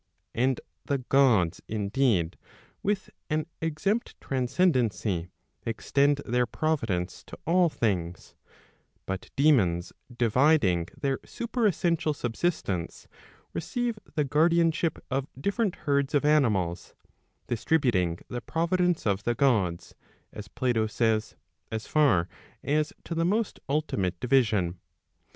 And the Gods indeed,, with an exempt transcendency, extend their providence to all things, but daemons dividing their superessential subsistence, receive the guardian ship of different herds of animals, distributing the providence of the Gods, as Plato says, as far as to the most ultimate division.